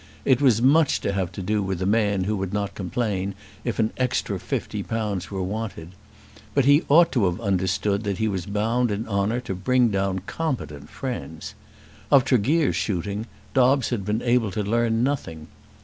It was much to have to do with a man who would not complain if an extra fifty pounds were wanted. But he ought to have understood that he was bound in honour to bring down competent friends. Of Tregear's shooting Dobbes had been able to learn nothing.